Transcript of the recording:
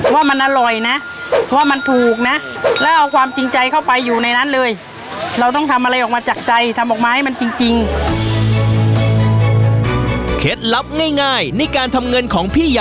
ว่ามันอร่อยนะเพราะว่ามันถูกนะแล้วเอาความจริงใจเข้าไปอยู่ในนั้นเลย